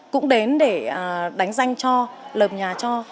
cũng đến để đánh danh cho lợp nhà cho